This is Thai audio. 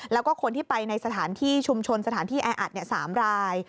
แล้วก็คนที่ไปในสถานที่ชุมชนสถานที่แออัด๓ราย